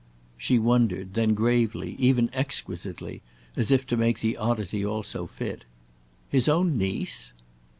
She wondered; then gravely, even exquisitely, as if to make the oddity also fit: "His own niece?"